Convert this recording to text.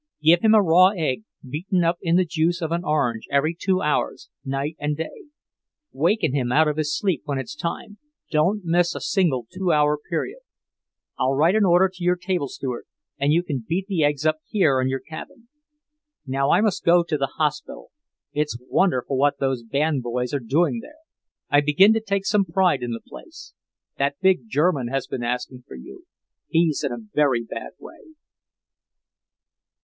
Give him a raw egg beaten up in the juice of an orange every two hours, night and day. Waken him out of his sleep when it's time, don't miss a single two hour period. I'll write an order to your table steward, and you can beat the eggs up here in your cabin. Now I must go to the hospital. It's wonderful what those band boys are doing there. I begin to take some pride in the place. That big German has been asking for you. He's in a very bad way."